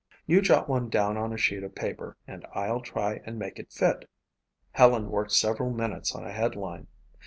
You jot one down on a sheet of paper and I'll try and make it fit." Helen worked several minutes on a headline.